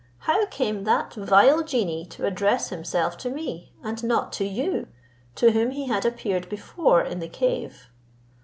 How came that vile genie to address himself to me, and not to you, to whom he had appeared before in the cave?"